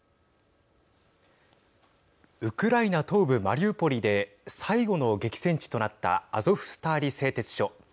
ウクライナ東部マリウポリで最後の激戦地となったアゾフスターリ製鉄所。